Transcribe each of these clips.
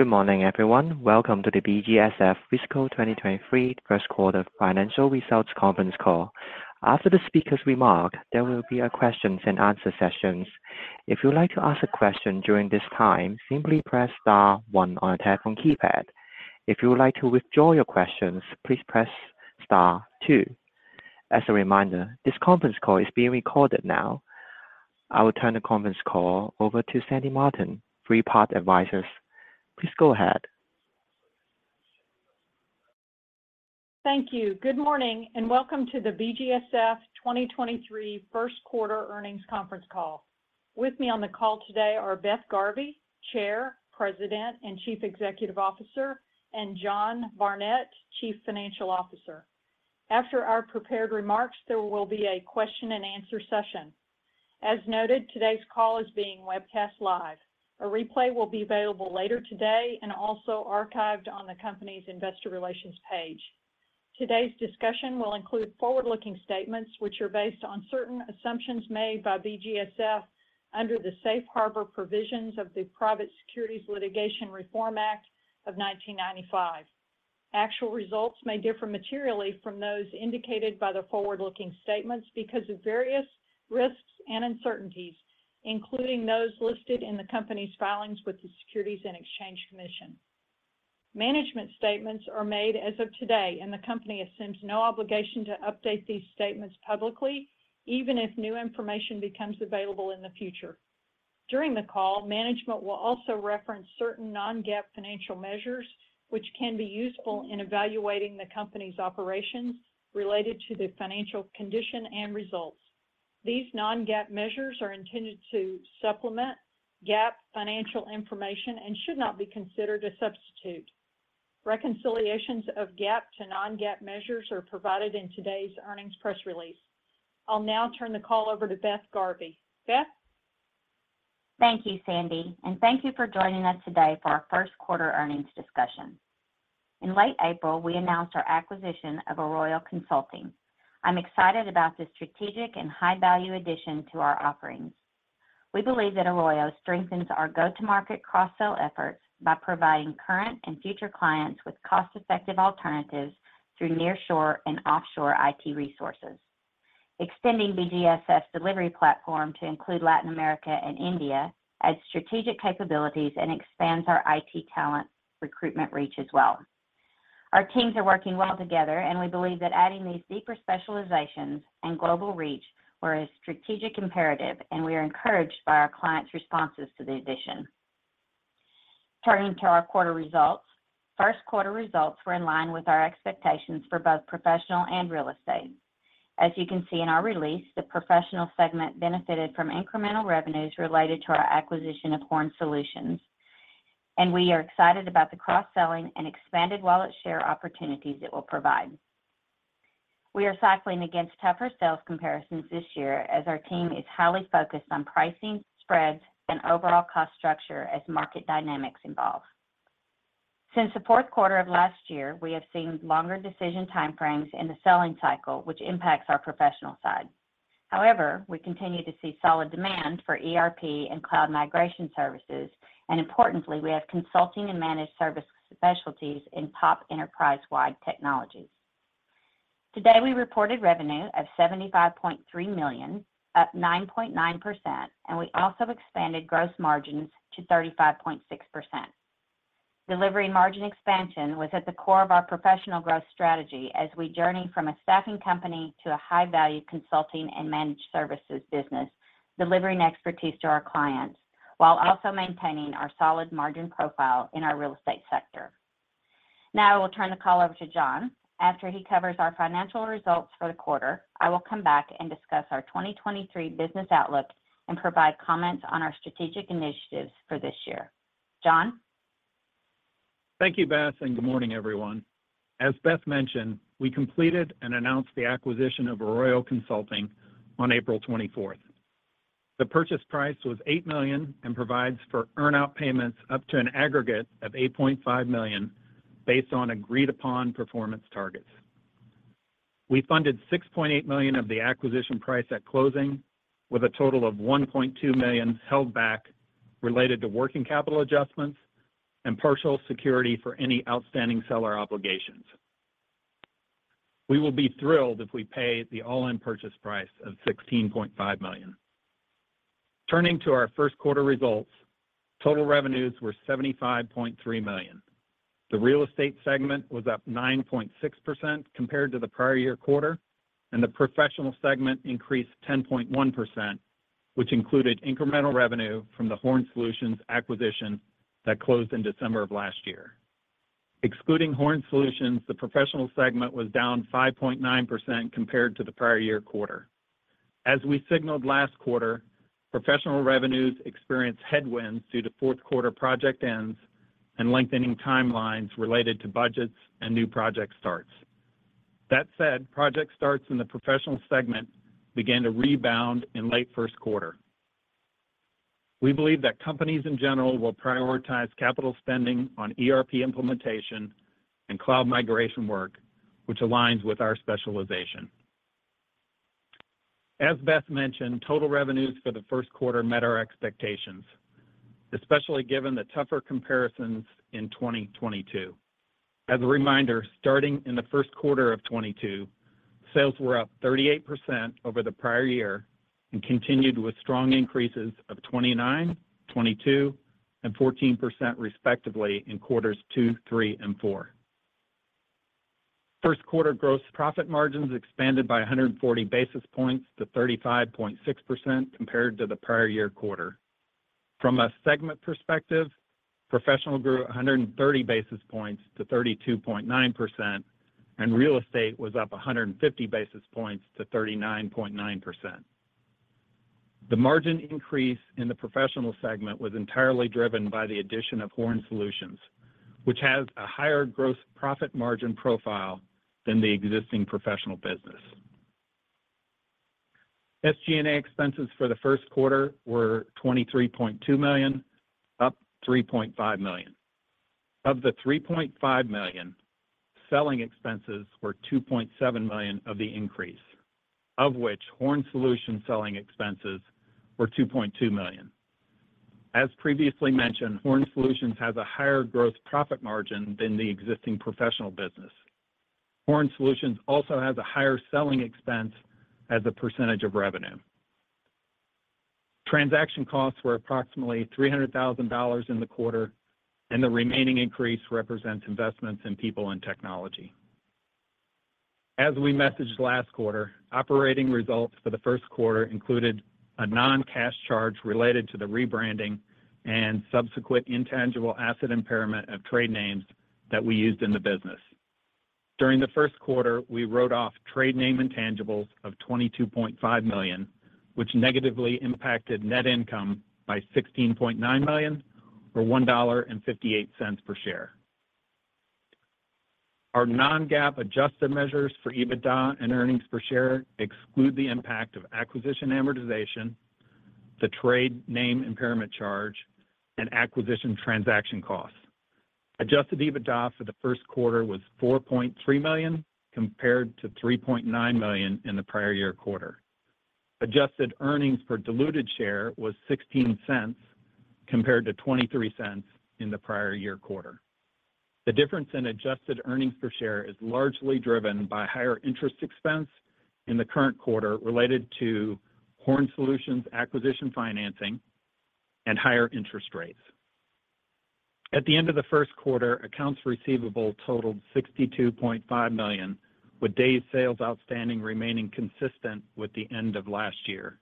Good morning, everyone. Welcome to the BGSF Fiscal 2023 first quarter financial results conference call. After the speakers remark, there will be a questions and answer sessions. If you would like to ask a question during this time, simply press star one on your telephone keypad. If you would like to withdraw your questions, please press star two. As a reminder, this conference call is being recorded now. I will turn the conference call over to Sandy Martin, Three Part Advisors. Please go ahead. Thank you. Good morning, and welcome to the BGSF 2023 first quarter earnings conference call. With me on the call today are Beth Garvey, Chair, President, and Chief Executive Officer, and John Barnett, Chief Financial Officer. After our prepared remarks, there will be a question and answer session. As noted, today's call is being webcast live. A replay will be available later today and also archived on the company's investor relations page. Today's discussion will include forward-looking statements which are based on certain assumptions made by BGSF under the Safe Harbor provisions of the Private Securities Litigation Reform Act of 1995. Actual results may differ materially from those indicated by the forward-looking statements because of various risks and uncertainties, including those listed in the company's filings with the Securities and Exchange Commission. Management statements are made as of today, and the company assumes no obligation to update these statements publicly, even if new information becomes available in the future. During the call, management will also reference certain non-GAAP financial measures which can be useful in evaluating the company's operations related to the financial condition and results. These non-GAAP measures are intended to supplement GAAP financial information and should not be considered a substitute. Reconciliations of GAAP to non-GAAP measures are provided in today's earnings press release. I'll now turn the call over to Beth Garvey. Beth? Thank you, Sandy, and thank you for joining us today for our first quarter earnings discussion. In late April, we announced our acquisition of Arroyo Consulting. I'm excited about the strategic and high-value addition to our offerings. We believe that Arroyo strengthens our go-to-market cross-sell efforts by providing current and future clients with cost-effective alternatives through nearshore and offshore IT resources. Extending BGSF's delivery platform to include Latin America and India adds strategic capabilities and expands our IT talent recruitment reach as well. Our teams are working well together, and we believe that adding these deeper specializations and global reach were a strategic imperative, and we are encouraged by our clients' responses to the addition. Turning to our quarter results. First quarter results were in line with our expectations for both professional and real estate. As you can see in our release, the professional segment benefited from incremental revenues related to our acquisition of Horn Solutions, and we are excited about the cross-selling and expanded wallet share opportunities it will provide. We are cycling against tougher sales comparisons this year as our team is highly focused on pricing, spreads, and overall cost structure as market dynamics evolve. Since the fourth quarter of last year, we have seen longer decision time frames in the selling cycle, which impacts our professional side. However, we continue to see solid demand for ERP and cloud migration services, and importantly, we have consulting and managed service specialties in top enterprise-wide technologies. Today, we reported revenue of $75.3 million, up 9.9%, and we also expanded gross margins to 35.6%. Delivering margin expansion was at the core of our professional growth strategy as we journey from a staffing company to a high-value consulting and managed services business, delivering expertise to our clients while also maintaining our solid margin profile in our real estate sector. I will turn the call over to John. After he covers our financial results for the quarter, I will come back and discuss our 2023 business outlook and provide comments on our strategic initiatives for this year. John? Thank you, Beth. Good morning, everyone. As Beth mentioned, we completed and announced the acquisition of Arroyo Consulting on April 24th. The purchase price was $8 million and provides for earn-out payments up to an aggregate of $8.5 million based on agreed-upon performance targets. We funded $6.8 million of the acquisition price at closing, with a total of $1.2 million held back related to working capital adjustments and partial security for any outstanding seller obligations. We will be thrilled if we pay the all-in purchase price of $16.5 million. Turning to our first quarter results, total revenues were $75.3 million. The real estate segment was up 9.6% compared to the prior year quarter, and the professional segment increased 10.1%, which included incremental revenue from the Horn Solutions acquisition that closed in December of last year. Excluding Horn Solutions, the professional segment was down 5.9% compared to the prior year quarter. As we signaled last quarter, professional revenues experienced headwinds due to fourth quarter project ends and lengthening timelines related to budgets and new project starts. That said, project starts in the professional segment began to rebound in late first quarter. We believe that companies in general will prioritize capital spending on ERP implementation and cloud migration work, which aligns with our specialization. As Beth mentioned, total revenues for the first quarter met our expectations, especially given the tougher comparisons in 2022. As a reminder, starting in the first quarter of 2022, sales were up 38% over the prior year and continued with strong increases of 29%, 22%, and 14% respectively in quarters two, 3, and 4. First quarter gross profit margins expanded by 140 basis points to 35.6% compared to the prior year quarter. From a segment perspective, professional grew 130 basis points to 32.9%, and real estate was up 150 basis points to 39.9%. The margin increase in the professional segment was entirely driven by the addition of Horn Solutions, which has a higher gross profit margin profile than the existing professional business. SG&A expenses for the first quarter were $23.2 million, up $3.5 million. Of the $3.5 million, selling expenses were $2.7 million of the increase, of which Horn Solutions selling expenses were $2.2 million. As previously mentioned, Horn Solutions has a higher gross profit margin than the existing professional business. Horn Solutions also has a higher selling expense as a percentage of revenue. Transaction costs were approximately $300,000 in the quarter, and the remaining increase represents investments in people and technology. As we messaged last quarter, operating results for the first quarter included a non-cash charge related to the rebranding and subsequent intangible asset impairment of trade names that we used in the business. During the first quarter, we wrote off trade name intangibles of $22.5 million, which negatively impacted net income by $16.9 million or $1.58 per share. Our non-GAAP adjusted measures for EBITDA and earnings per share exclude the impact of acquisition amortization, the trade name impairment charge, and acquisition transaction costs. Adjusted EBITDA for the first quarter was $4.3 million compared to $3.9 million in the prior year quarter. Adjusted earnings per diluted share was $0.16 compared to $0.23 in the prior year quarter. The difference in adjusted earnings per share is largely driven by higher interest expense in the current quarter related to Horn Solutions acquisition financing and higher interest rates. At the end of the first quarter, accounts receivable totaled $62.5 million, with days sales outstanding remaining consistent with the end of last year.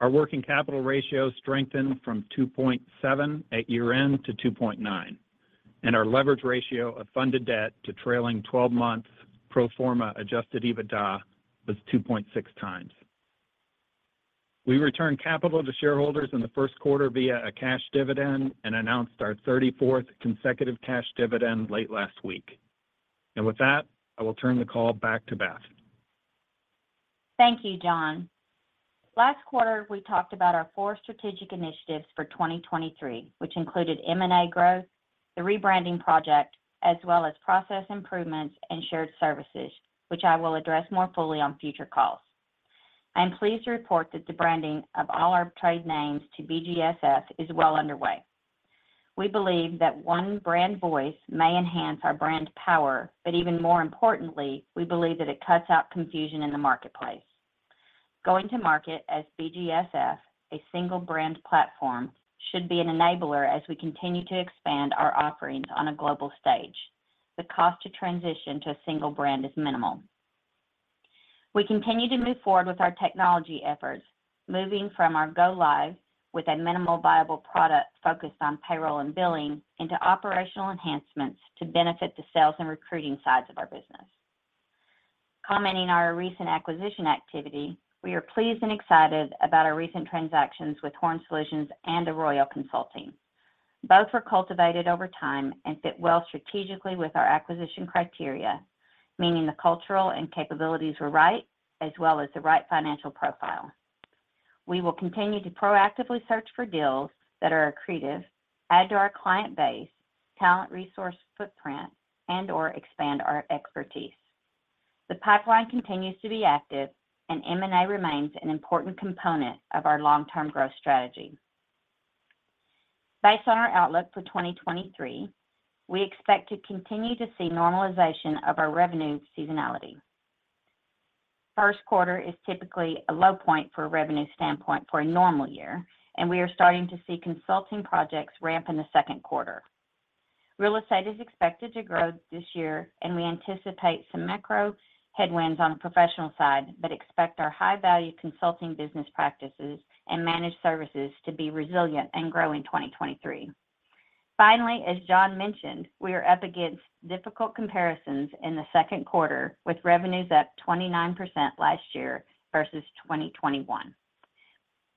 Our working capital ratio strengthened from 2.7 at year-end to 2.9. Our leverage ratio of funded debt to trailing 12 months pro forma adjusted EBITDA was 2.6 times. We returned capital to shareholders in the first quarter via a cash dividend and announced our 34th consecutive cash dividend late last week. With that, I will turn the call back to Beth. Thank you, John. Last quarter, we talked about our four strategic initiatives for 2023, which included M&A growth, the rebranding project, as well as process improvements and shared services, which I will address more fully on future calls. I am pleased to report that the branding of all our trade names to BGSF is well underway. We believe that one brand voice may enhance our brand power, but even more importantly, we believe that it cuts out confusion in the marketplace. Going to market as BGSF, a single brand platform, should be an enabler as we continue to expand our offerings on a global stage. The cost to transition to a single brand is minimal. We continue to move forward with our technology efforts, moving from our go live with a minimal viable product focused on payroll and billing into operational enhancements to benefit the sales and recruiting sides of our business. Commenting our recent acquisition activity, we are pleased and excited about our recent transactions with Horn Solutions and Arroyo Consulting. Both were cultivated over time and fit well strategically with our acquisition criteria, meaning the cultural and capabilities were right as well as the right financial profile. We will continue to proactively search for deals that are accretive, add to our client base, talent resource footprint, and or expand our expertise. The pipeline continues to be active and M&A remains an important component of our long-term growth strategy. Based on our outlook for 2023, we expect to continue to see normalization of our revenue seasonality. First quarter is typically a low point for a revenue standpoint for a normal year. We are starting to see consulting projects ramp in the second quarter. Real estate is expected to grow this year. We anticipate some macro headwinds on the professional side, but expect our high-value consulting business practices and managed services to be resilient and grow in 2023. As John mentioned, we are up against difficult comparisons in the second quarter, with revenues up 29% last year versus 2021.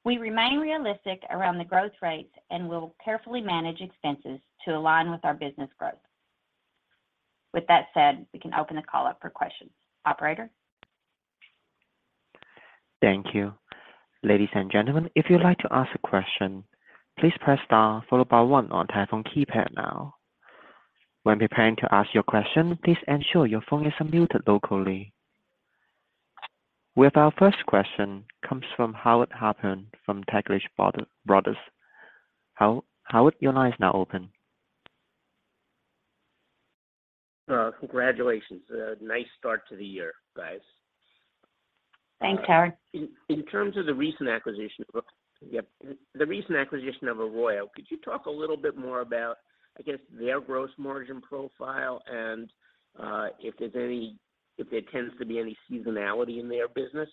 We remain realistic around the growth rates and will carefully manage expenses to align with our business growth. That said, we can open the call up for questions. Operator? Thank you. Ladies and gentlemen, if you'd like to ask a question, please press star followed by one on telephone keypad now. When preparing to ask your question, please ensure your phone is unmuted locally. We have our first question comes from Howard Halpern from Taglich Brothers. Howard, your line is now open. Congratulations. A nice start to the year, guys. Thanks, Howard. Oh, yep. The recent acquisition of Arroyo, could you talk a little bit more about, I guess, their gross margin profile and, if there tends to be any seasonality in their business?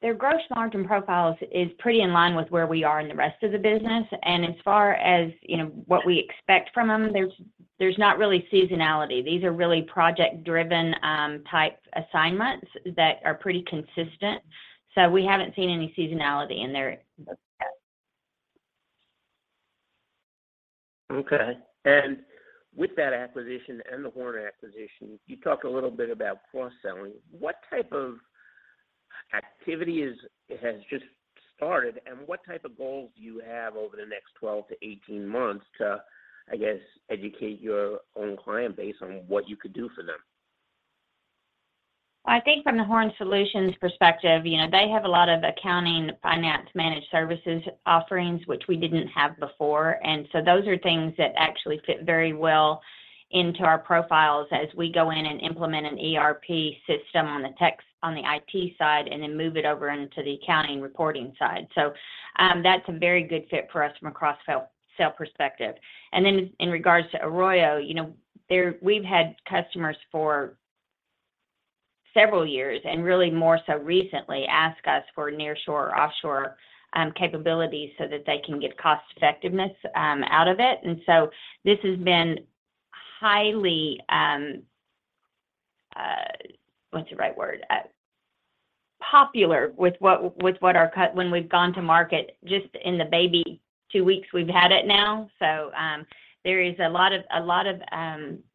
Their gross margin profiles is pretty in line with where we are in the rest of the business, as far as, you know, what we expect from them, there's not really seasonality. These are really project-driven, type assignments that are pretty consistent. We haven't seen any seasonality in their. Okay. With that acquisition and the Horn acquisition, you talked a little bit about cross-selling. What type of activity has just started, and what type of goals do you have over the next 12-18 months to, I guess, educate your own client base on what you could do for them? I think from the Horn Solutions perspective, you know, they have a lot of accounting finance managed services offerings, which we didn't have before. Those are things that actually fit very well into our profiles as we go in and implement an ERP system on the IT side and then move it over into the accounting reporting side. That's a very good fit for us from a cross-sell, sell perspective. In, in regards to Arroyo, you know, we've had customers for several years, and really more so recently ask us for nearshore or offshore capabilities so that they can get cost effectiveness out of it. This has been highly... What's the right word? Popular with what our when we've gone to market just in the baby 2 weeks we've had it now. There is a lot of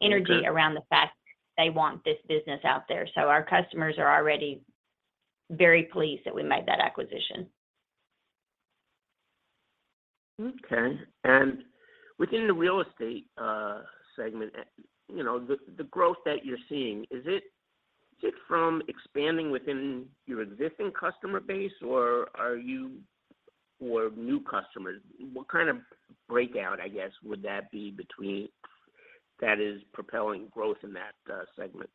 energy. Okay around the fact they want this business out there. Our customers are already very pleased that we made that acquisition. Okay. Within the real estate segment, you know, the growth that you're seeing, is it from expanding within your existing customer base or new customers? What kind of breakout, I guess, would that be between that is propelling growth in that segment?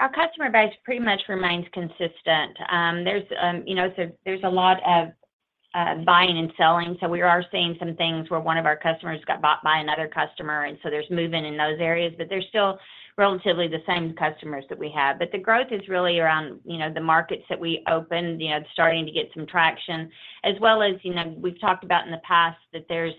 Our customer base pretty much remains consistent. There's, you know, so there's a lot of buying and selling, so we are seeing some things where one of our customers got bought by another customer, and so there's movement in those areas. They're still relatively the same customers that we have. The growth is really around, you know, the markets that we opened, you know, starting to get some traction. As well as, you know, we've talked about in the past that there's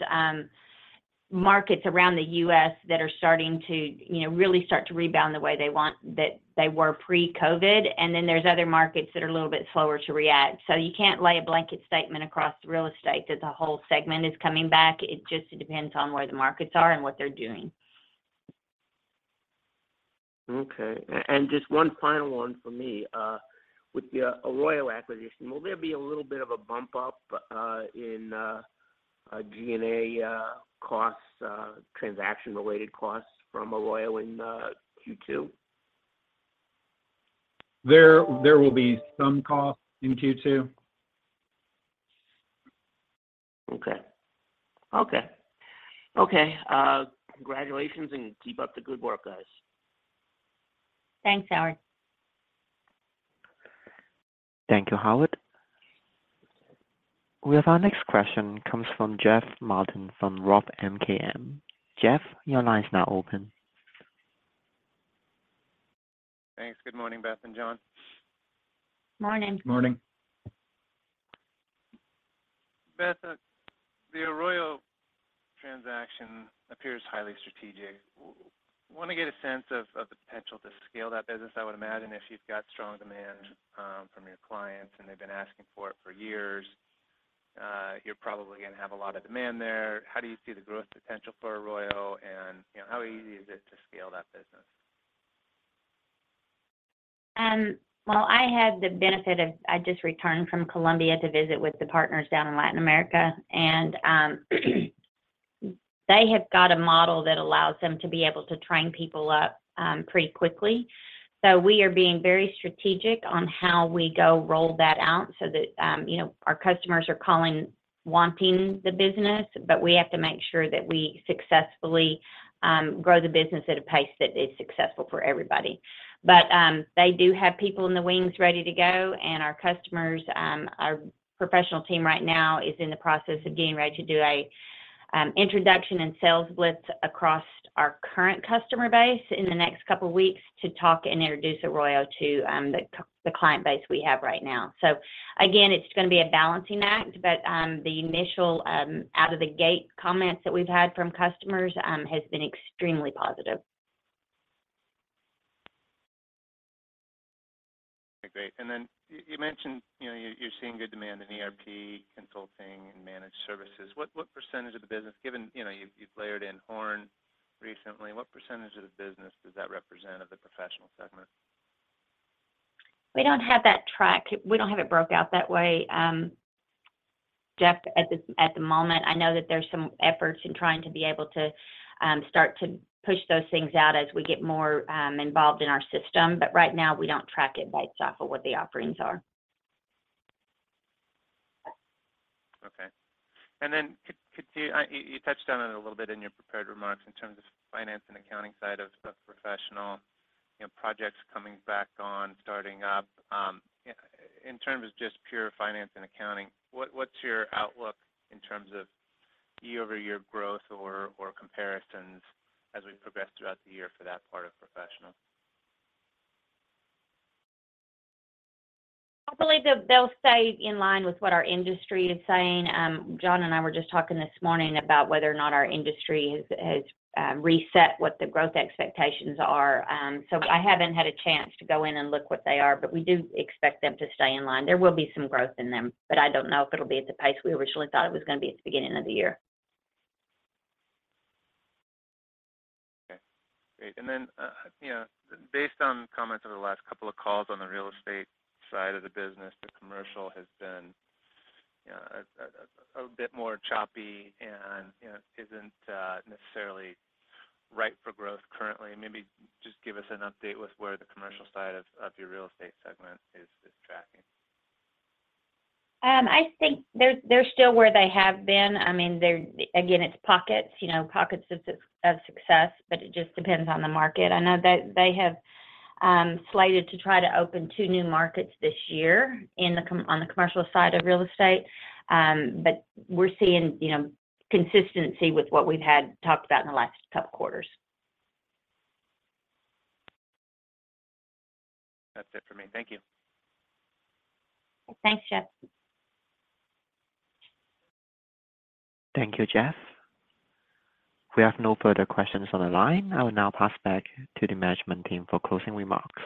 markets around the U.S. that are starting to, you know, really start to rebound the way they want, that they were pre-COVID. There's other markets that are a little bit slower to react. You can't lay a blanket statement across real estate that the whole segment is coming back. It just depends on where the markets are and what they're doing. Okay. Just one final one for me. With the Arroyo acquisition, will there be a little bit of a bump up in G&A costs, transaction-related costs from Arroyo in Q2? There will be some costs in Q2. Okay. Okay. Okay. congratulations and keep up the good work, guys. Thanks, Howard. Thank you, Howard. We have our next question comes from Jeff Martin from Roth MKM. Jeff, your line is now open. Thanks. Good morning, Beth and John. Morning. Morning. Beth, the Arroyo transaction appears highly strategic. Wanna get a sense of the potential to scale that business. I would imagine if you've got strong demand from your clients, and they've been asking for it for years, you're probably gonna have a lot of demand there. How do you see the growth potential for Arroyo and, you know, how easy is it to scale that business? Well, I just returned from Colombia to visit with the partners down in Latin America and they have got a model that allows them to be able to train people up pretty quickly. We are being very strategic on how we go roll that out so that, you know, our customers are calling, wanting the business, but we have to make sure that we successfully grow the business at a pace that is successful for everybody. They do have people in the wings ready to go, and our customers, our professional team right now is in the process of getting ready to do a introduction and sales blitz across our current customer base in the next couple weeks to talk and introduce Arroyo to the client base we have right now. Again, it's gonna be a balancing act, but the initial out of the gate comments that we've had from customers has been extremely positive. Okay, great. You mentioned, you know, you're seeing good demand in ERP consulting and managed services. What percentage of the business, given, you know, you've layered in Horn recently, what percentage of the business does that represent of the professional segment? We don't have that tracked. We don't have it broke out that way, Jeff, at the, at the moment. I know that there's some efforts in trying to be able to start to push those things out as we get more involved in our system. Right now, we don't track it by itself or what the offerings are. Okay. You touched on it a little bit in your prepared remarks in terms of finance and accounting side of professional, you know, projects coming back on, starting up. In terms of just pure finance and accounting, what's your outlook in terms of year-over-year growth or comparisons as we progress throughout the year for that part of professional? I believe they'll stay in line with what our industry is saying. John and I were just talking this morning about whether or not our industry has reset what the growth expectations are. I haven't had a chance to go in and look what they are, but we do expect them to stay in line. There will be some growth in them, but I don't know if it'll be at the pace we originally thought it was gonna be at the beginning of the year. Okay, great. You know, based on comments over the last couple of calls on the real estate side of the business, the commercial has been, you know, a bit more choppy and, you know, isn't necessarily ripe for growth currently. Maybe just give us an update with where the commercial side of your real estate segment is tracking. I think they're still where they have been. I mean, they're again, it's pockets, you know, pockets of success, but it just depends on the market. I know that they have slated to try to open two new markets this year on the commercial side of real estate. We're seeing, you know, consistency with what we've had talked about in the last couple quarters. That's it for me. Thank you. Thanks, Jeff. Thank you, Jeff. We have no further questions on the line. I will now pass back to the management team for closing remarks.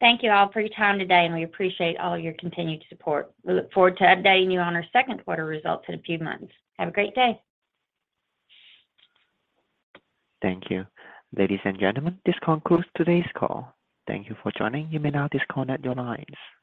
Thank you all for your time today. We appreciate all your continued support. We look forward to updating you on our second quarter results in a few months. Have a great day. Thank you. Ladies and gentlemen, this concludes today's call. Thank you for joining. You may now disconnect your lines.